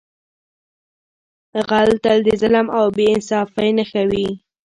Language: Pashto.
غل تل د ظلم او بې انصافۍ نښه وي